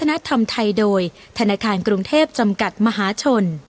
ธรรมไทยโดยธนาคารกรุงเทพจำกัดมหาชน